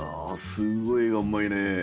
すごいえがうまいねえ。